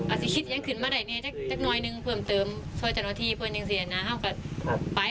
อาศิษย์คิดอย่างคืนมาเดินตัวนี้นึงเพื่อเติมที่สวยเหนื่อยหน่อย